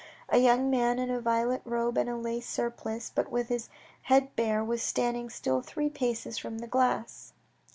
A young man in a violet robe and a lace surplice, but with his head bare, was standing still three paces from the glass.